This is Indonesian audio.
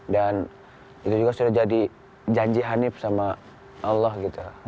dan itu juga sudah jadi janji hanif sama allah gitu